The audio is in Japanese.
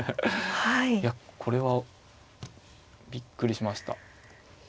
いやこれはびっくりしました。